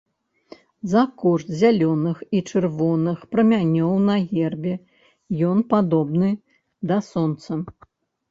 За кошт зялёных і чырвоных прамянёў на гербе ён падобны да сонца.